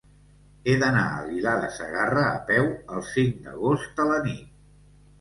He d'anar a Aguilar de Segarra a peu el cinc d'agost a la nit.